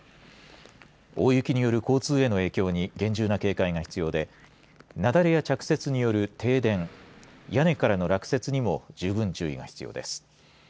大雪による交通への影響に厳重な警戒が必要で雪崩や着雪による停電屋根からの落雪にも十分注意が必要です。